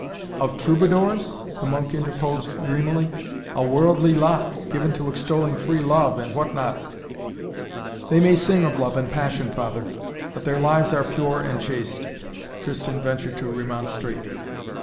"Of Troubadours?" the monk interposed dreamily. "A worldly lot given to extolling free love and what not " "They may sing of love and passion, father, but their lives are pure and chaste," Tristan ventured to remonstrate.